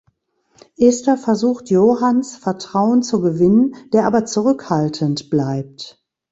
Ester versucht Johans Vertrauen zu gewinnen, der aber zurückhaltend bleibt.